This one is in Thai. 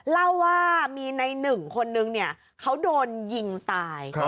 เล่าว่ามีในหนึ่งคนนึงเนี่ยเขาโดนยิงตาย